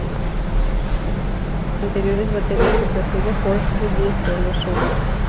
A diferencia de los anteriores baterías de Placebo, Forrest es diestro, no zurdo.